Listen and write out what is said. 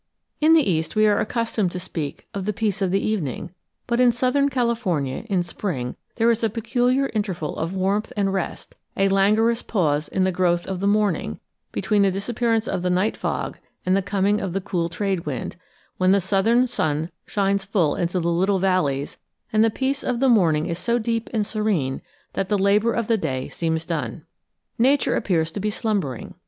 In the East we are accustomed to speak of "the peace of evening," but in southern California in spring there is a peculiar interval of warmth and rest, a langorous pause in the growth of the morning, between the disappearance of the night fog and the coming of the cool trade wind, when the southern sun shines full into the little valleys and the peace of the morning is so deep and serene that the labor of the day seems done. Nature appears to be slumbering.